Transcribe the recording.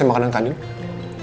kamu udah kasih makanan ke andien